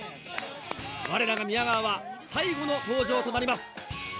われらが宮川は最後の登場となります。